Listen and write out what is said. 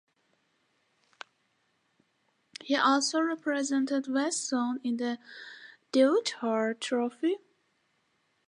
He also represented West Zone in the Deodhar Trophy.